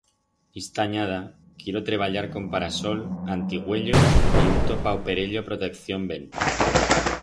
Ista anyada quiero treballar con parasol, antiuellos y unto pa o perello protección vente.